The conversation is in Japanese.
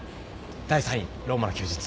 第３位ローマの休日。